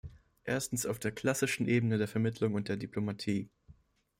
Erstens auf der klassischen Ebene der Vermittlung und der Diplomatie.